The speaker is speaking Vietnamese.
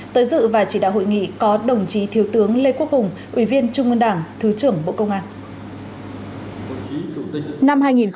tới dự và chỉ đạo hội nghị có đồng chí thiếu tướng lê quốc hùng ủy viên trung ương đảng thứ trưởng bộ công an